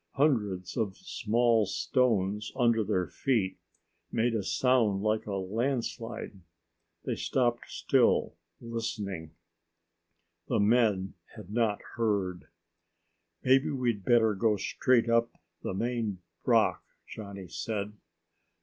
Hundreds of small stones under their feet made a sound like a landslide. They stopped still, listening. The men had not heard. "Maybe we'd better go straight up the main rock," Johnny said.